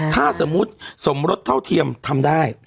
ถ้าสมมุติสมรสเท่าเทียมทำได้